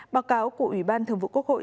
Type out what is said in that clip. báo cáo của ủy ban thường vụ quốc hội